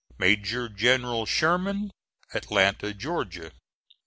MAJOR GENERAL SHERMAN, Atlanta, Georgia.